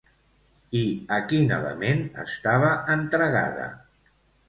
I a quin element estava entregada?